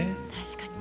確かに。